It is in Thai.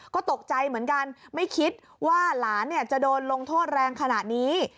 ก็ตกใจเหมือนกันไม่คิดว่าหลานจะโดนลงโทษแรงขนาดนี้